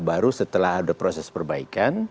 baru setelah ada proses perbaikan